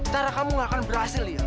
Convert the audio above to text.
nanti kamu gak akan berhasil lia